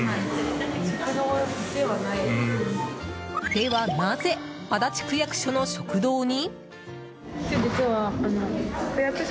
では、なぜ足立区役所の食堂に？